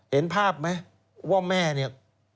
เห็นภาพไหมว่าแม่เนี่ย